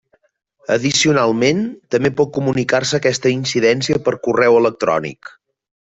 Addicionalment, també pot comunicar-se aquesta incidència per correu electrònic.